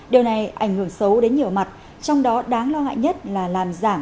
điều này ảnh hưởng xấu đến nhiều mặt trong đó đáng lo ngại nhất là làm giảm